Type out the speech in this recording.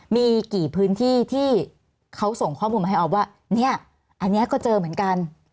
มีกี่พื้นที่ที่เขาส่งข้อมูลมาให้ออฟว่าเนี่ยอันนี้ก็เจอเหมือนกัน